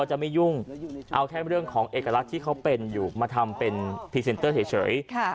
จะไม่ยุ่งเอาแค่เรื่องของเอกลักษณ์ที่เขาเป็นอยู่มาทำเป็นพรีเซนเตอร์เฉย